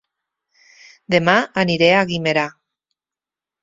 Dema aniré a Guimerà